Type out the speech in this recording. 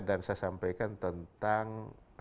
dan saya sampaikan tentang